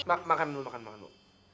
makan dulu makan dulu